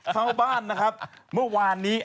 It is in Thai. เข้าบ้านนะครับเมื่อวานนี้